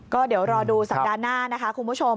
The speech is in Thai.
ก็เดี๋ยวรอดูสัปดาห์หน้านะคะคุณผู้ชม